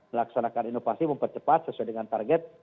melaksanakan inovasi mempercepat sesuai dengan target